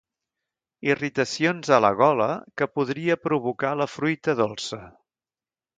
Irritacions a la gola que podria provocar la fruita dolça.